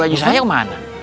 baju saya kemana